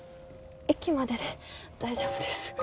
駅までで大丈夫です